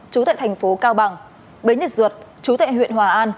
chú tại thành phố cao bằng bến địt duột chú tại huyện hòa an